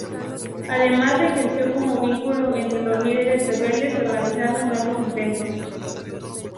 Además ejerció como vínculo entre los líderes rebeldes, organizando nuevos intentos.